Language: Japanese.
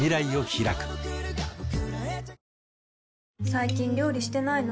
最近料理してないの？